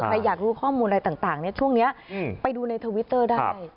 ใครอยากรู้ข้อมูลอะไรต่างช่วงนี้ไปดูในทวิตเตอร์ได้